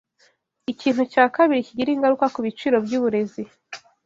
Ikintu cya kabiri kigira ingaruka kubiciro byuburezi